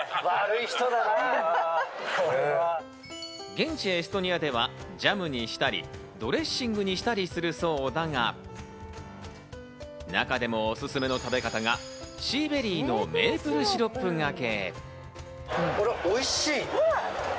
現地エストニアではジャムにしたり、ドレッシングにしたりするそうだが、中でもおすすめの食べ方がシーベリーのメープルシロップがけ。